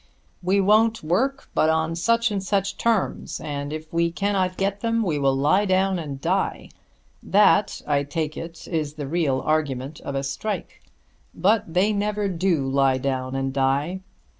"We won't work but on such and such terms, and, if we cannot get them, we will lie down and die." That I take it is the real argument of a strike. But they never do lie down and die.